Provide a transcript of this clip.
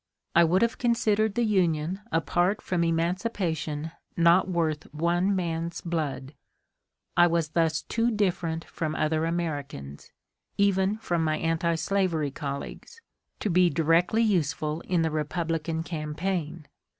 I would have considered the Union apart from emancipation not worth one man's blood« I was thus too different from other Americans — even from my antislavery colleagues — to be directly useful in the republican campaign.